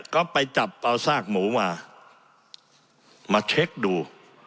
ก็ไปจับเอาซากหมูมามาเช็คดู